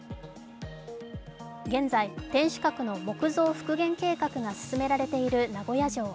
現在、天守閣の木造復元計画が進められている名古屋城。